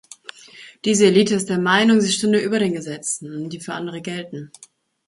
Diese Elite ist der Meinung, sie stünde über den Gesetzen, die für andere gelten.